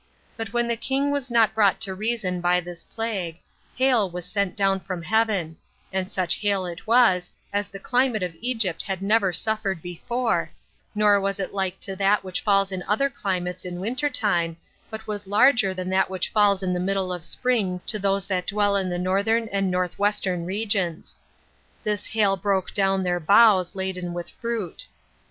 But when the king was not brought to reason by this plague, hail was sent down from heaven; and such hail it was, as the climate of Egypt had never suffered before, nor was it like to that which falls in other climates in winter time, 26 but was larger than that which falls in the middle of spring to those that dwell in the northern and north western regions. This hail broke down their boughs laden with fruit.